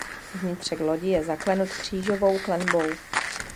Vnitřek lodi je zaklenut křížovou klenbou.